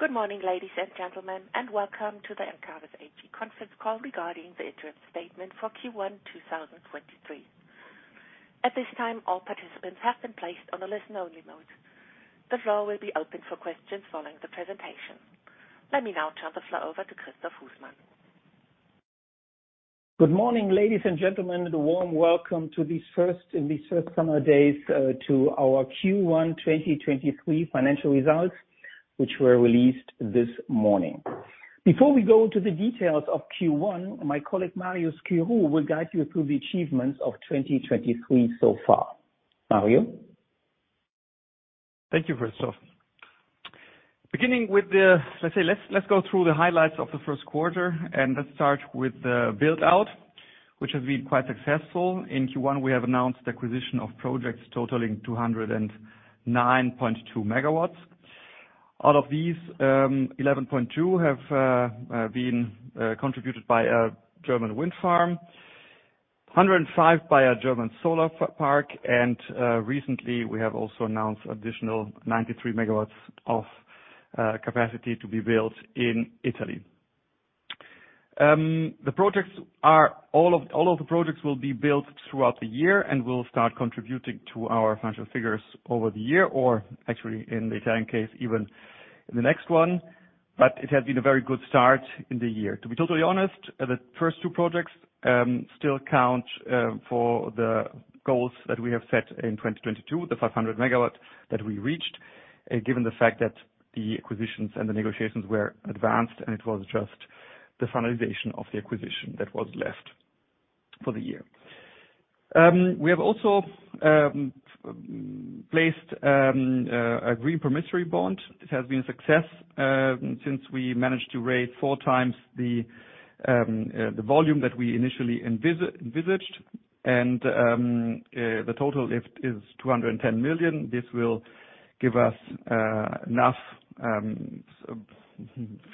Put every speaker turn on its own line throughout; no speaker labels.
Good morning, ladies and gentlemen. Welcome to the Encavis AG conference call regarding the interim statement for Q1 2023. At this time, all participants have been placed on a listen-only mode. The floor will be open for questions following the presentation. Let me now turn the floor over to Christoph Husmann.
Good morning, ladies and gentlemen, and a warm welcome in these first summer days, to our Q1 2023 financial results, which were released this morning. Before we go into the details of Q1, my colleague, Mario Schirru, will guide you through the achievements of 2023 so far. Mario?
Thank you, Christoph. Let's go through the highlights of the Q1. Let's start with the build-out, which has been quite successful. In Q1, we have announced acquisition of projects totaling 209.2 megawatts. Out of these, 11.2 have been contributed by a German wind farm, 105 by a German solar park. Recently, we have also announced additional 93 megawatts of capacity to be built in Italy. All of the projects will be built throughout the year and will start contributing to our financial figures over the year or actually, in the Italian case, even the next one. It has been a very good start in the year. To be totally honest, the first two projects still count for the goals that we have set in 2022, the 500 megawatt that we reached, given the fact that the acquisitions and the negotiations were advanced, and it was just the finalization of the acquisition that was left for the year. We have also placed a green promissory bond. It has been a success since we managed to raise 4 times the volume that we initially envisaged, and the total lift is 210 million. This will give us enough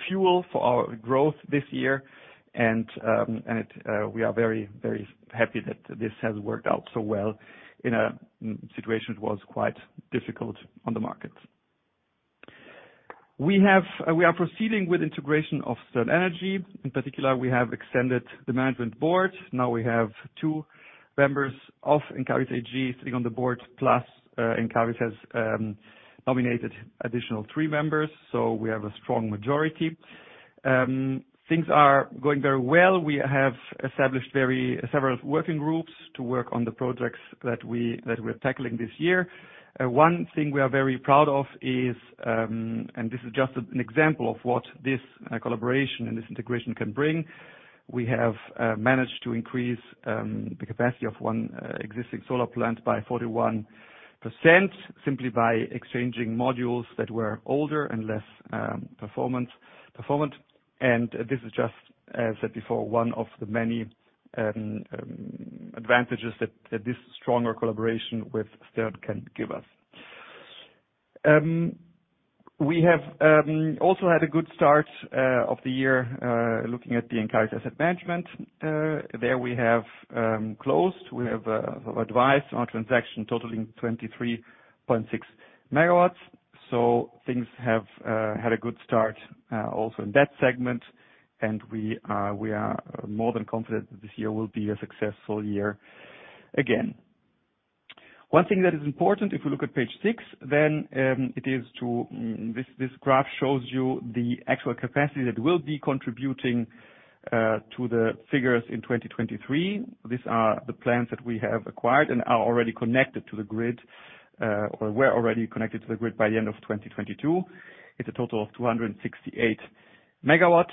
fuel for our growth this year and it we are very, very happy that this has worked out so well in a situation that was quite difficult on the market. We are proceeding with integration of Stern Energy. In particular, we have extended the management board. Now we have 2 members of Encavis AG sitting on the board, plus Encavis has nominated additional three members, we have a strong majority. Things are going very well. We have established several working groups to work on the projects that we're tackling this year. One thing we are very proud of is, this is just an example of what this collaboration and this integration can bring. We have managed to increase the capacity of 1 existing solar plant by 41%, simply by exchanging modules that were older and less performant. This is just, as I said before, 1 of the many advantages that this stronger collaboration with Stern Energy can give us. We have also had a good start of the year, looking at the Encavis Asset Management. There we have closed. We have advised on transaction totaling 23.6 megawatts. Things have had a good start also in that segment, and we are more than confident that this year will be a successful year again. One thing that is important, if we look at page six, then this graph shows you the actual capacity that we'll be contributing to the figures in 2023. These are the plans that we have acquired and are already connected to the grid, or were already connected to the grid by the end of 2022. It's a total of 268 megawatts.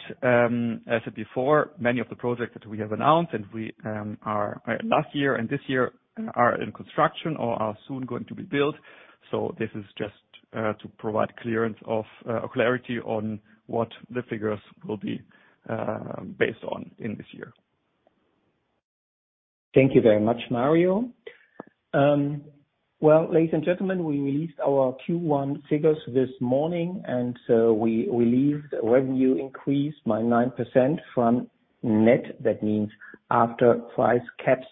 As said before, many of the projects that we have announced and we last year and this year are in construction or are soon going to be built. This is just to provide clearance of clarity on what the figures will be based on in this year.
Thank you very much, Mario. Well, ladies and gentlemen, we released our Q1 figures this morning. We leave the revenue increased by 9% from net. That means after price caps,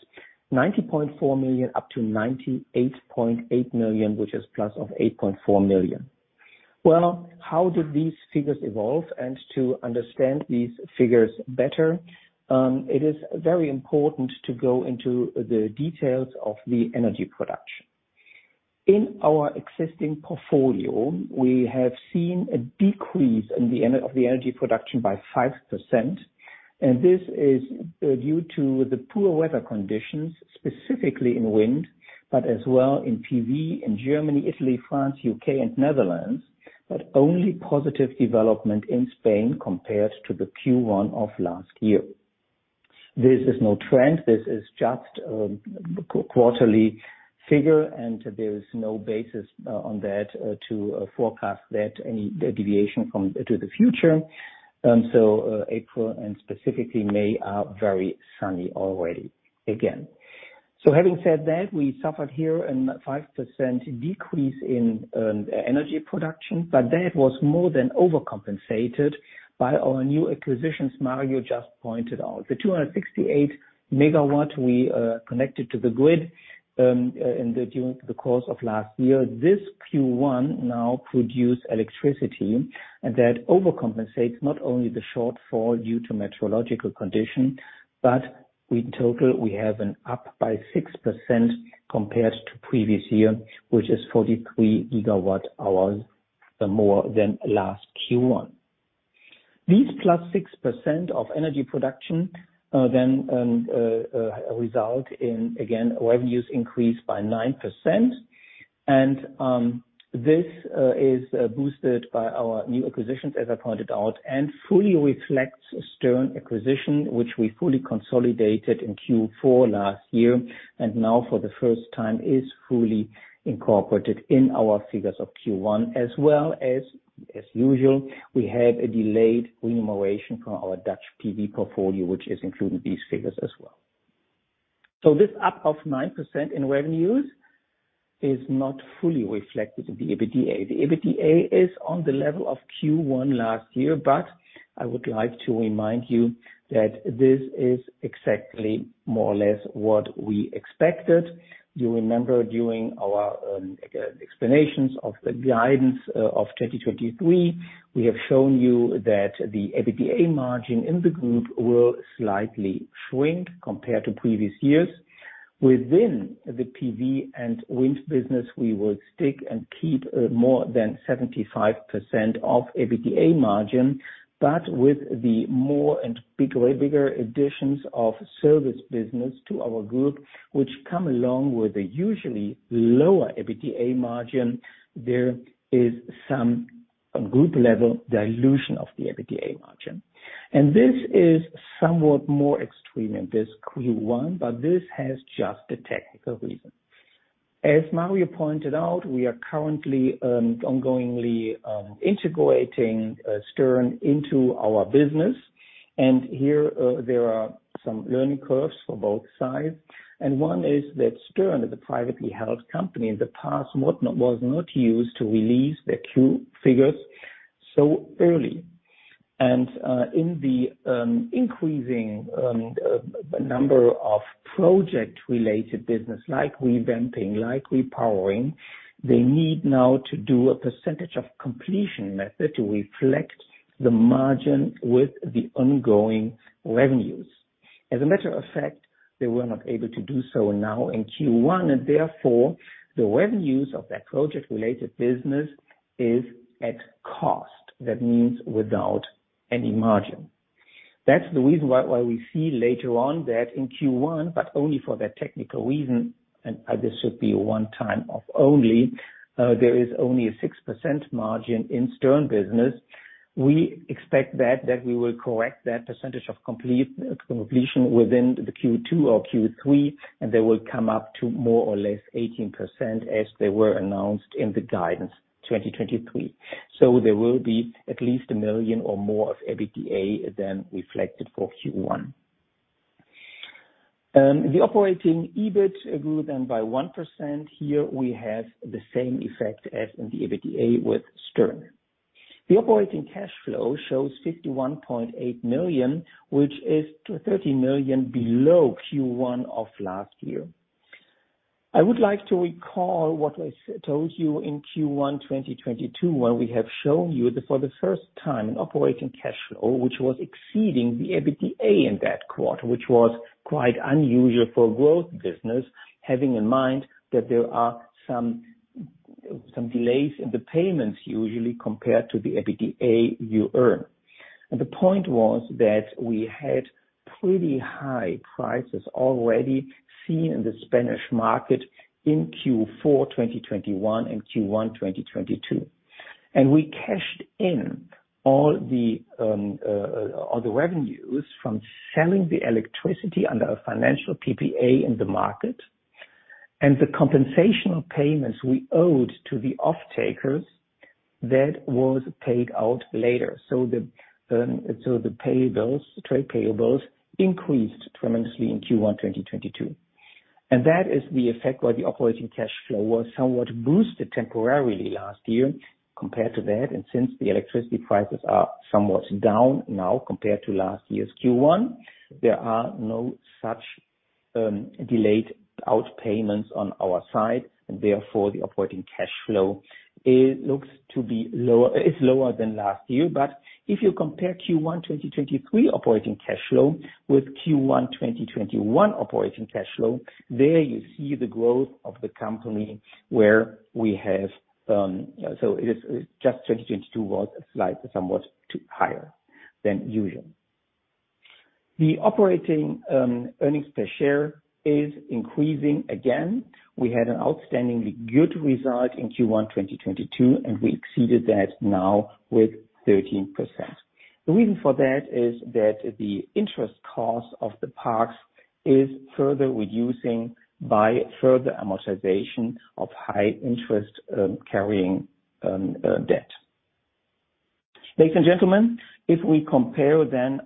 90.4 million up to 98.8 million, which is plus of 8.4 million. Well, how did these figures evolve? To understand these figures better, it is very important to go into the details of the energy production. In our existing portfolio, we have seen a decrease in the of the energy production by 5%, and this is due to the poor weather conditions, specifically in wind, but as well in PV, in Germany, Italy, France, U.K. and Netherlands, but only positive development in Spain compared to the Q1 of last year. This is no trend. This is just quarterly figure. There is no basis on that to forecast that any deviation to the future. April and specifically May are very sunny already again. Having said that, we suffered here a 5% decrease in energy production, but that was more than overcompensated by our new acquisitions Mario just pointed out. The 268 MW we connected to the grid. During the course of last year, this Q1 now produce electricity and that overcompensates not only the shortfall due to meteorological condition, but in total, we have an up by 6% compared to previous year, which is 43 GWh more than last Q1. These +6% of energy production then result in, again, revenues increased by 9%. This is boosted by our new acquisitions, as I pointed out, and fully reflects Stern acquisition, which we fully consolidated in Q4 last year, and now for the first time, is fully incorporated in our figures of Q1, as well as usual, we have a delayed remuneration from our Dutch PV portfolio, which is included in these figures as well. This up of 9% in revenues is not fully reflected in the EBITDA. The EBITDA is on the level of Q1 last year. I would like to remind you that this is exactly more or less what we expected. You remember during our explanations of the guidance of 2023, we have shown you that the EBITDA margin in the group will slightly shrink compared to previous years. Within the PV and wind business, we will stick and keep more than 75% of EBITDA margin. With the more and bigger additions of service business to our group, which come along with a usually lower EBITDA margin, there is some group level dilution of the EBITDA margin. This is somewhat more extreme in this Q1, but this has just a technical reason. As Mario pointed out, we are currently ongoingly integrating Stern into our business. Here, there are some learning curves for both sides. One is that Stern is a privately held company. In the past, was not used to release their Q figures so early. In the increasing number of project related business, like revamping, like repowering, they need now to do a percentage of completion method to reflect the margin with the ongoing revenues. As a matter of fact, they were not able to do so now in Q1. Therefore the revenues of that project related business is at cost. That means without any margin. That's the reason why we see later on that in Q1, but only for that technical reason, and this should be a one time of only, there is only a 6% margin in Stern business. We expect that we will correct that percentage of completion within the Q2 or Q3. They will come up to more or less 18% as they were announced in the guidance 2023. There will be at least 1 million or more of EBITDA than reflected for Q1. The operating EBIT grew then by 1%. Here we have the same effect as in the EBITDA with Stern. The operating cash flow shows 51.8 million, which is to 30 million below Q1 of last year. I would like to recall what I told you in Q1 2022, where we have shown you that for the first time, an operating cash flow, which was exceeding the EBITDA in that quarter, which was quite unusual for growth business, having in mind that there are some delays in the payments usually compared to the EBITDA you earn. The point was that we had pretty high prices already seen in the Spanish market in Q4 2021 and Q1 2022. We cashed in all the all the revenues from selling the electricity under a financial PPA in the market, and the compensational payments we owed to the off-takers that was paid out later. The payables, trade payables increased tremendously in Q1 2022. That is the effect where the operating cash flow was somewhat boosted temporarily last year compared to that. Since the electricity prices are somewhat down now compared to last year's Q1, there are no such delayed out payments on our side, and therefore the operating cash flow, it looks to be lower, is lower than last year. If you compare Q1 2023 operating cash flow with Q1 2021 operating cash flow, there you see the growth of the company where we have, so it is just 2022 was slightly, somewhat higher than usual. The operating earnings per share is increasing again. We had an outstandingly good result in Q1 2022, and we exceeded that now with 13%. The reason for that is that the interest cost of the parks is further reducing by further amortization of high interest carrying debt. Ladies and gentlemen, if we compare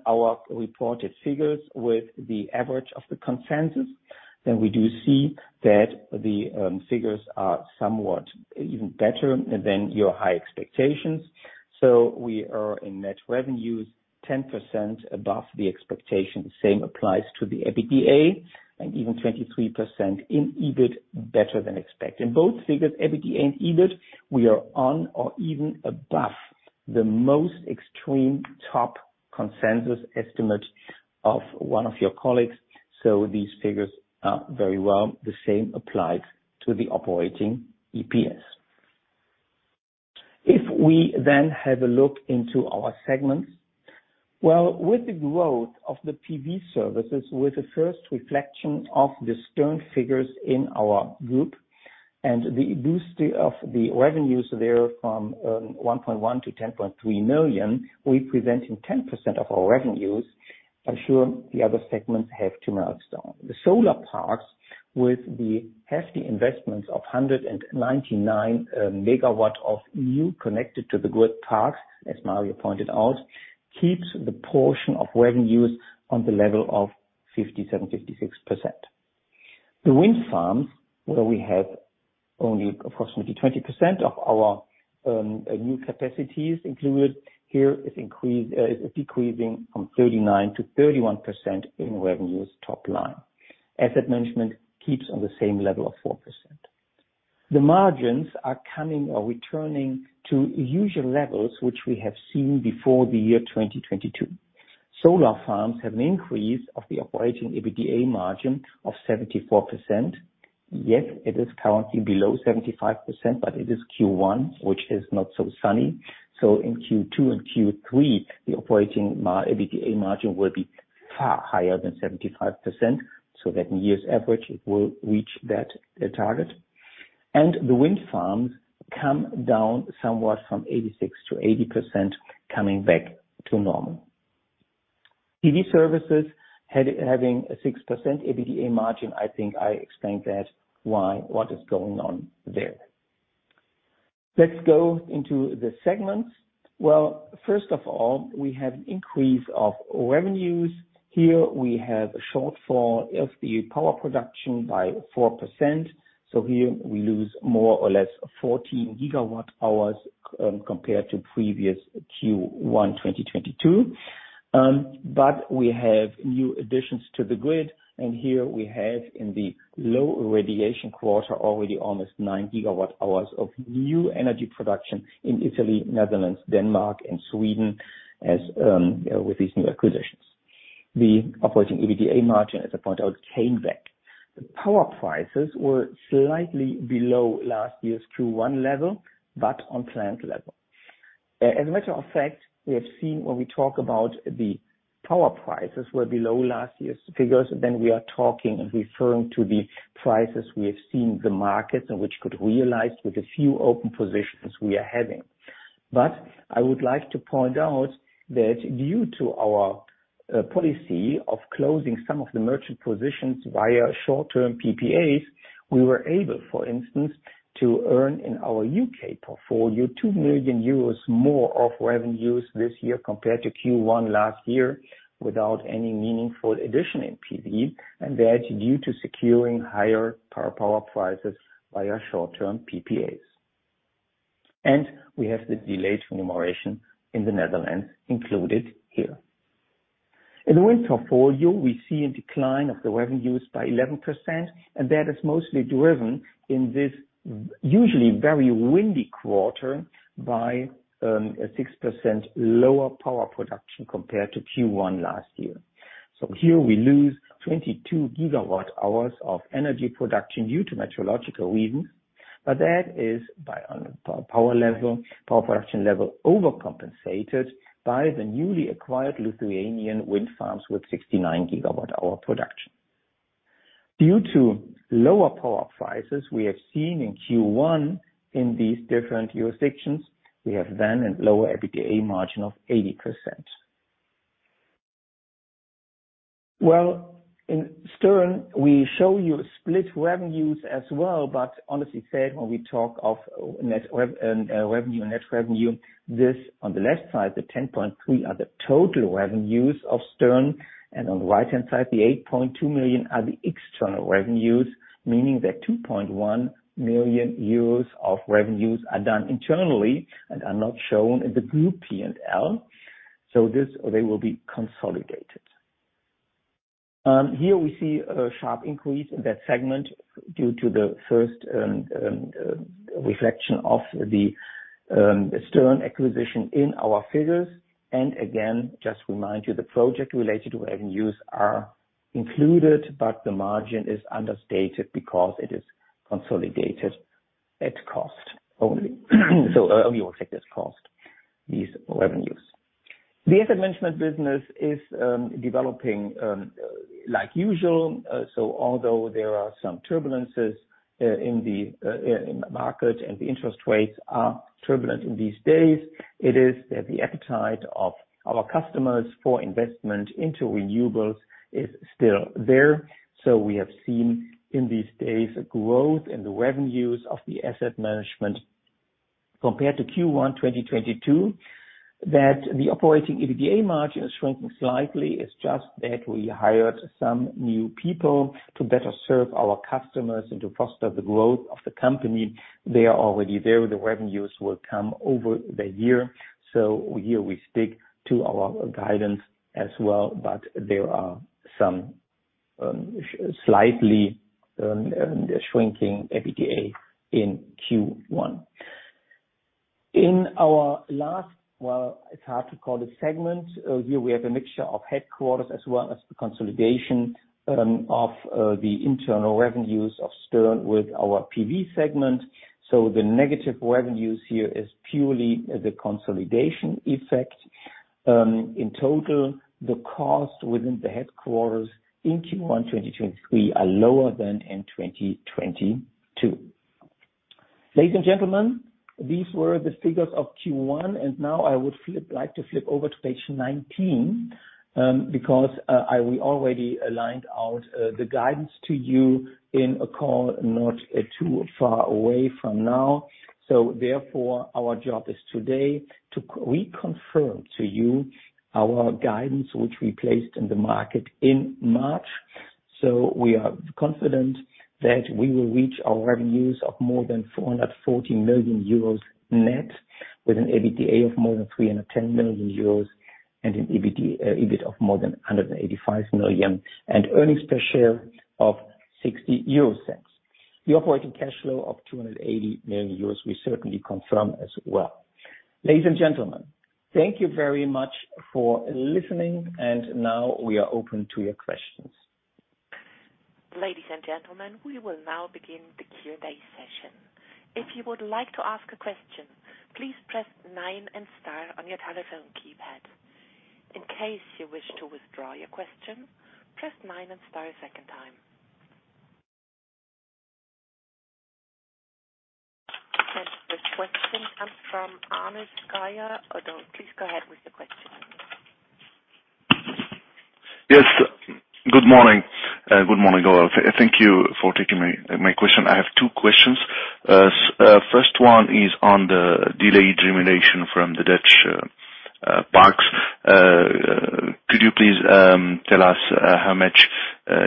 our reported figures with the average of the consensus, we do see that the figures are somewhat even better than your high expectations. We are in net revenues 10% above the expectation. Same applies to the EBITDA, and even 23% in EBIT better than expected. In both figures, EBITDA and EBIT, we are on or even above the most extreme top consensus estimate of one of your colleagues, so these figures are very well. The same applied to the operating EPS. We have a look into our segments. With the growth of the PV services, with the first reflection of the Stern figures in our group and the boost of the revenues there from, 1.1 million to 10.3 million, representing 10% of our revenues, I'm sure the other segments have two milestones. The solar parks with the hefty investments of 199 megawatt of new connected to the grid parks, as Mario pointed out, keeps the portion of revenues on the level of 57%, 56%. The wind farms, where we have only approximately 20% of our new capacities included here, is decreasing from 39%-31% in revenues top line. Asset management keeps on the same level of 4%. The margins are coming or returning to usual levels, which we have seen before the year 2022. Solar farms have an increase of the operating EBITDA margin of 74%, yet it is currently below 75%. It is Q1, which is not so sunny. In Q2 and Q3, the operating EBITDA margin will be far higher than 75%, so that in years average it will reach that target. The wind farms come down somewhat from 86%-80% coming back to normal. PV services having a 6% EBITDA margin. I think I explained that why, what is going on there. Let's go into the segments. First of all, we have increase of revenues. Here we have a shortfall of the power production by 4%. Here we lose more or less 14 gigawatt-hours compared to previous Q1 2022. We have new additions to the grid, and here we have in the low irradiation quarter already almost 9 gigawatt-hours of new energy production in Italy, Netherlands, Denmark and Sweden as with these new acquisitions. The operating EBITDA margin, as I point out, came back. The power prices were slightly below last year's Q1 level, but on plan level. As a matter of fact, we have seen when we talk about the power prices were below last year's figures, then we are talking and referring to the prices we have seen the markets and which could realize with a few open positions we are having. I would like to point out that due to our policy of closing some of the merchant positions via short-term PPAs, we were able, for instance, to earn in our UK portfolio 2 million euros more of revenues this year compared to Q1 last year, without any meaningful addition in PV, and that due to securing higher power prices via short-term PPAs. We have the delayed remuneration in the Netherlands included here. In the wind portfolio, we see a decline of the revenues by 11%, That is mostly driven in this usually very windy quarter by a 6% lower power production compared to Q1 last year. Here we lose 22 gigawatt hours of energy production due to meteorological reasons. That is by, on a power level, power production level, overcompensated by the newly acquired Lithuanian wind farms with 69 gigawatt hour production. Due to lower power prices we have seen in Q1 in these different jurisdictions, we have then a lower EBITDA margin of 80%. In Stern, we show you split revenues as well, Honestly said, when we talk of net revenue, this on the left side, the 10.3 are the total revenues of Stern. On the right-hand side, the 8.2 million are the external revenues, meaning that 2.1 million euros of revenues are done internally and are not shown in the group P&L. This, they will be consolidated. Here we see a sharp increase in that segment due to the first reflection of the Stern acquisition in our figures. Again, just remind you, the project-related revenues are included, but the margin is understated because it is consolidated at cost only. Only will take this cost, these revenues. The asset management business is developing like usual. Although there are some turbulences in the market and the interest rates are turbulent in these days, it is that the appetite of our customers for investment into renewables is still there. We have seen in these days a growth in the revenues of the asset management. Compared to Q1 2022, that the operating EBITDA margin is shrinking slightly. It's just that we hired some new people to better serve our customers and to foster the growth of the company. They are already there. The revenues will come over the year. Here we stick to our guidance as well, but there are some, slightly, shrinking EBITDA in Q1. In our last, it's hard to call it segment. Here we have a mixture of headquarters as well as the consolidation of the internal revenues of Stern with our PV segment. The negative revenues here is purely the consolidation effect. In total, the cost within the headquarters in Q1 2023 are lower than in 2022. Ladies and gentlemen, these were the figures of Q1. Now I would like to flip over to page 19 because we already aligned out the guidance to you in a call not too far away from now. Therefore, our job is today to reconfirm to you our guidance, which we placed in the market in March. We are confident that we will reach our revenues of more than 440 million euros net, with an EBITDA of more than 310 million euros and an EBIT of more than 185 million and earnings per share of 0.60. The operating cash flow of 280 million euros, we certainly confirm as well. Ladies and gentlemen, thank you very much for listening. Now we are open to your questions.
Ladies and gentlemen, we will now begin the Q&A session. If you would like to ask a question, please press 9 and star on your telephone keypad. In case you wish to withdraw your question, press 9 and star a second time. This question comes from Anis Zgaya, ODDO BHF. Please go ahead with the question.
Yes. Good morning. Good morning all. Thank you for taking my question. I have two questions. First one is on the delayed remuneration from the Dutch parks. Could you please tell us how much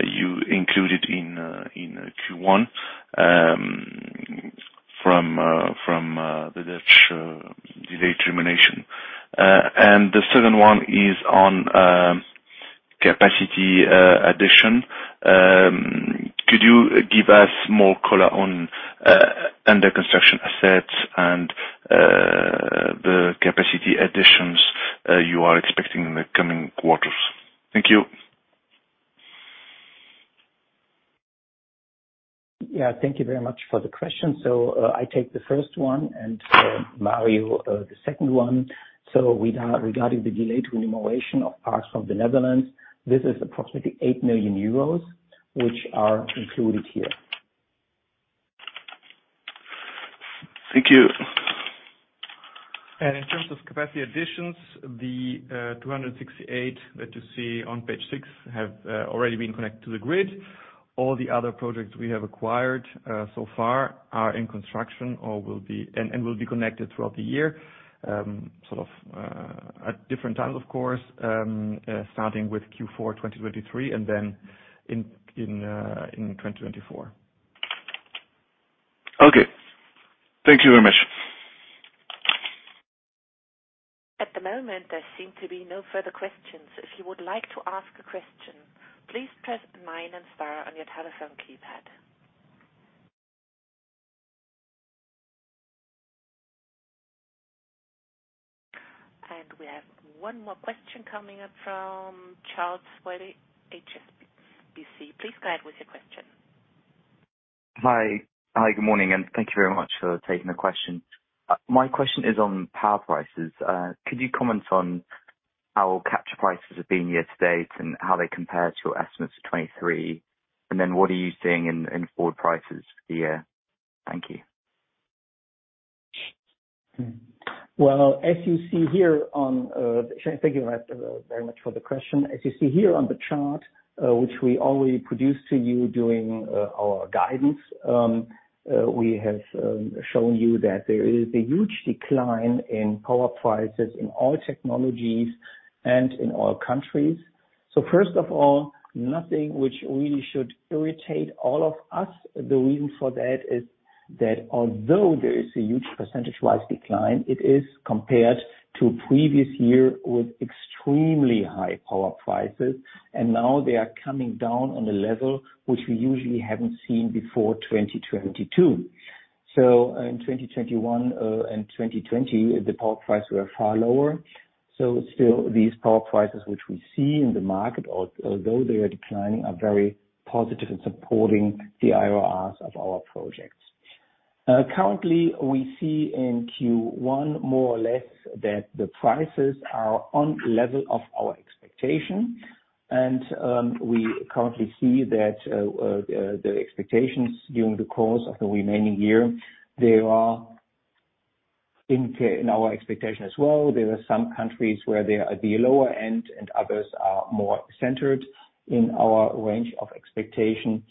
you included in Q1 from the Dutch delayed remuneration? The second one is on capacity addition. Could you give us more color on under construction assets and the capacity additions you are expecting in the coming quarters? Thank you.
Yeah, thank you very much for the question. I take the first one and, Mario, the second one. Regarding the delayed remuneration of parks from the Netherlands, this is approximately 8 million euros, which are included here.
Thank you.
In terms of capacity additions, the 268 that you see on page six have already been connected to the grid. All the other projects we have acquired so far are in construction or will be connected throughout the year, sort of, at different times, of course, starting with Q4 2023 and then in 2024.
Okay. Thank you very much.
At the moment, there seem to be no further questions. If you would like to ask a question, please press nine and star on your telephone keypad. We have one more question coming up from Charles Swabey, HSBC. Please go ahead with your question.
Hi. Hi, good morning, and thank you very much for taking the question. My question is on power prices. Could you comment on how capture prices have been year to date and how they compare to your estimates of 23? What are you seeing in forward prices for the year? Thank you.
Well, as you see here on. Thank you very much for the question. As you see here on the chart, which we already produced to you during our guidance, we have shown you that there is a huge decline in power prices in all technologies and in all countries. First of all, nothing which really should irritate all of us. The reason for that is that although there is a huge percentage-wise decline, it is compared to previous year with extremely high power prices, and now they are coming down on a level which we usually haven't seen before 2022. In 2021, and 2020, the power prices were far lower. Still these power prices, which we see in the market, although they are declining, are very positive in supporting the IRRs of our projects. Currently, we see in Q1 more or less that the prices are on level of our expectation. We currently see that the expectations during the course of the remaining year, they are in our expectation as well. There are some countries where they are at the lower end and others are more centered in our range of expectation.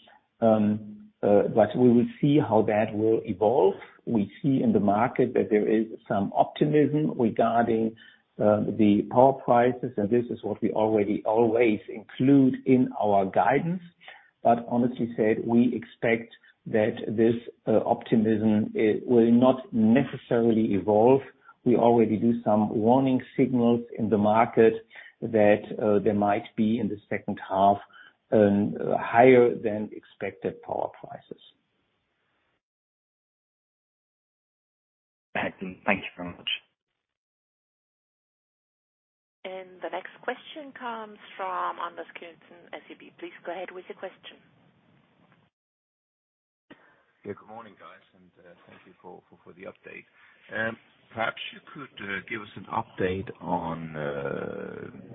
We will see how that will evolve. We see in the market that there is some optimism regarding the power prices, and this is what we already always include in our guidance. Honestly said, we expect that this optimism, it will not necessarily evolve. We already do some warning signals in the market that there might be in the second half higher than expected power prices.
Thank you very much.
The next question comes from Anders Gunnarson, SEB. Please go ahead with your question.
Good morning, guys, and thank you for the update. Perhaps you could give us an update on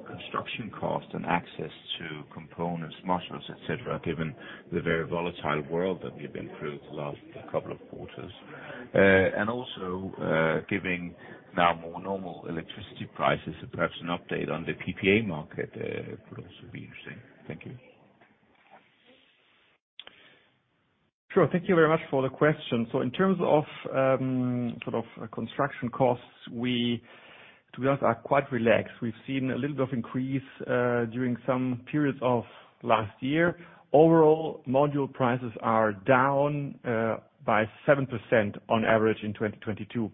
construction cost and access to components, modules, et cetera, given the very volatile world that we have been through the last couple of quarters. Also, giving now more normal electricity prices, perhaps an update on the PPA market would also be interesting. Thank you.
Sure. Thank you very much for the question. In terms of sort of construction costs, we to be honest are quite relaxed. We've seen a little bit of increase during some periods of last year. Overall, module prices are down by 7% on average in 2022.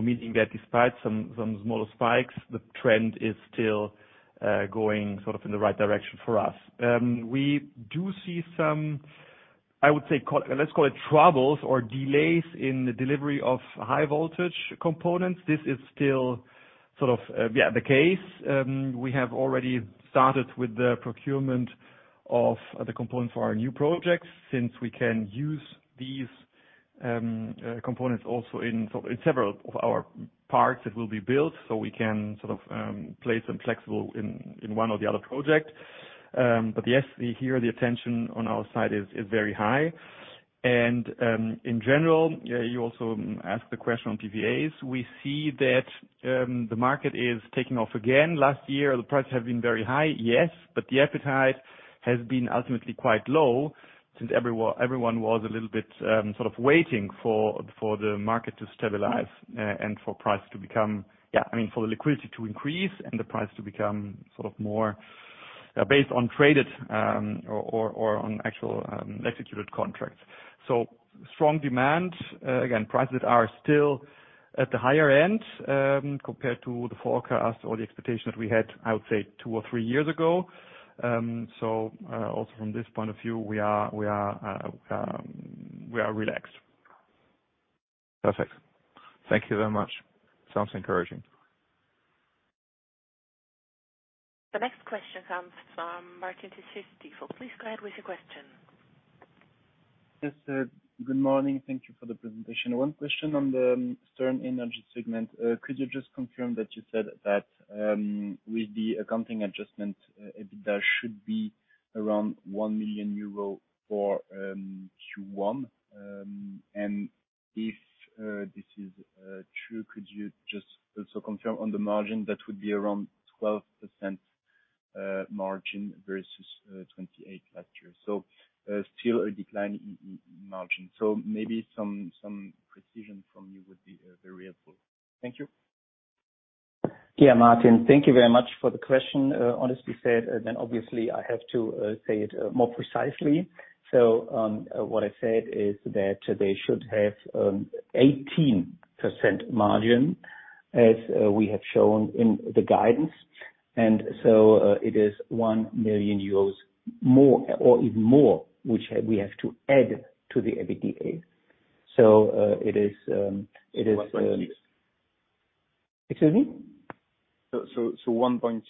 Meaning that despite some smaller spikes, the trend is still going sort of in the right direction for us. We do see some, I would say, let's call it troubles or delays in the delivery of high voltage components. This is still sort of, yeah, the case. We have already started with the procurement of the components for our new projects since we can use these components also in several of our parks that will be built, so we can sort of play some flexible in one or the other project. Yes, here, the attention on our side is very high. In general, yeah, you also asked the question on PPAs. We see that the market is taking off again. Last year, the prices have been very high, yes, but the appetite has been ultimately quite low since everyone was a little bit sort of waiting for the market to stabilize and for prices to become... Yeah, I mean, for the liquidity to increase and the price to become sort of more, based on traded, or on actual, executed contracts. Strong demand. Again, prices are still at the higher end, compared to the forecast or the expectation that we had, I would say two or three years ago. Also from this point of view, we are relaxed.
Perfect. Thank you very much. Sounds encouraging.
The next question comes from Martin Comtesse. Please go ahead with your question.
Yes, sir. Good morning. Thank you for the presentation. One question on the Stern Energy segment. Could you just confirm that you said that, with the accounting adjustment, EBITDA should be around 1 million euro for Q1? If this is true, could you just also confirm on the margin, that would be around 12% margin versus 28 last year. Still a decline in margin. Maybe some precision from you would be very helpful. Thank you.
Martin, thank you very much for the question. Honestly said, obviously I have to say it more precisely. What I said is that they should have 18% margin as we have shown in the guidance. It is 1 million euros more or even more, which we have to add to the EBITDA. It is.
1.6.
Excuse me.
1.6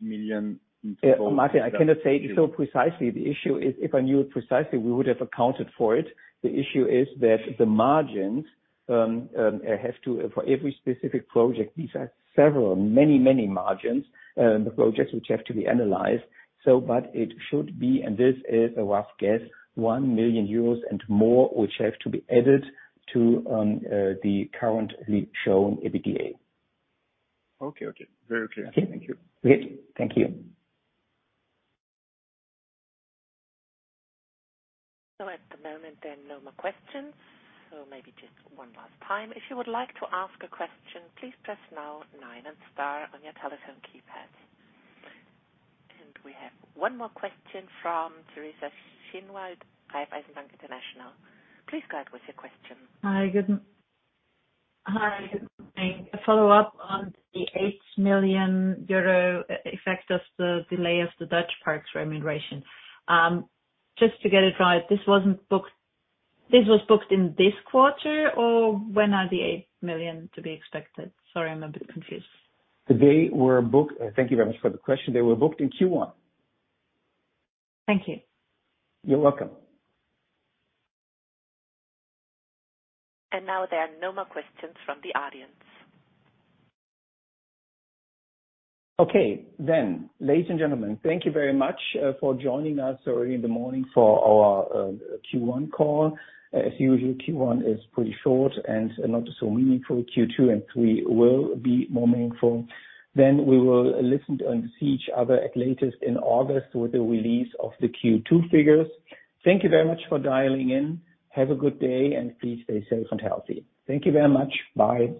million in total.
Martin, I cannot say it so precisely. The issue is if I knew it precisely, we would have accounted for it. The issue is that the margins have to, for every specific project, these are several, many margins, the projects which have to be analyzed. It should be, and this is a rough guess, 1 million euros and more, which have to be added to the currently shown EBITDA.
Okay. Okay. Very clear. Thank you.
Great. Thank you.
At the moment then, no more questions. Maybe just one last time. If you would like to ask a question, please press now nine and star on your telephone keypad. We have one more question from Teresa Schinwald, Raiffeisen Bank International. Please go ahead with your question.
Hi, good morning. A follow-up on the 8 million euro effect of the delay of the Dutch parks remuneration. Just to get it right, this was booked in this quarter, or when are the 8 million to be expected? Sorry, I'm a bit confused.
Thank you very much for the question. They were booked in Q1.
Thank you.
You're welcome.
Now there are no more questions from the audience.
Okay, ladies and gentlemen, thank you very much for joining us early in the morning for our Q1 call. As usual, Q1 is pretty short and not so meaningful. Q2 and 3 will be more meaningful. We will listen and see each other at latest in August with the release of the Q2 figures. Thank you very much for dialing in. Have a good day, please stay safe and healthy. Thank you very much. Bye.